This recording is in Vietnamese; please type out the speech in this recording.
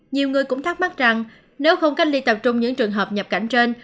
nhiều người cũng thắc mắc rằng nếu không cách ly tập trung những trường hợp nhập cảnh trên